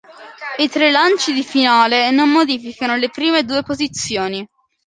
I tre lanci di finale non modificano le prime due posizioni.